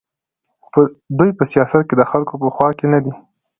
دوی په سیاست کې د خلکو په خوا کې نه دي.